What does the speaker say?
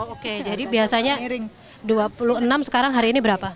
oke jadi biasanya iring dua puluh enam sekarang hari ini berapa